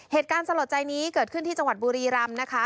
สลดใจนี้เกิดขึ้นที่จังหวัดบุรีรำนะคะ